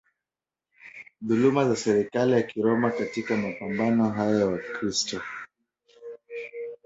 dhuluma za serikali ya Kiroma Katika mapambano hayo Wakristo